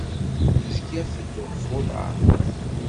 Zgiɣ tedduɣ f uḍaṛ.